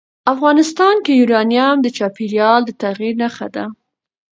افغانستان کې یورانیم د چاپېریال د تغیر نښه ده.